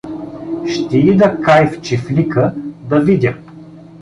Ще ида — кай — в чифлика да видя.